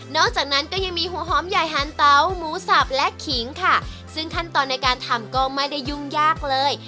อกจากนั้นก็ยังมีหัวหอมใหญ่หันเตาหมูสับและขิงค่ะซึ่งขั้นตอนในการทำก็ไม่ได้ยุ่งยากเลย